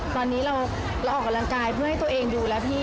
ตอนนี้เราออกกำลังกายเพื่อให้ตัวเองดูแล้วพี่